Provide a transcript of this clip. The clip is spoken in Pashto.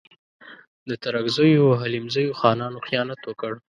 د ترکزیو او حلیمزیو خانانو خیانت وکړ.